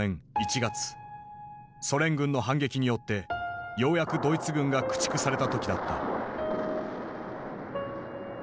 ソ連軍の反撃によってようやくドイツ軍が駆逐された時だった。